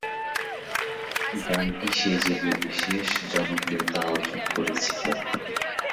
গানটি সেই যুগে বিশেষ জনপ্রিয়তা অর্জন করেছিল।